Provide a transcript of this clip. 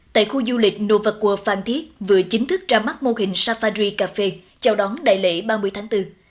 tại khu du lịch novakur phanthiết vừa chính thức ra mắt mô hình safari cafe chào đón đại lễ ba mươi tháng bốn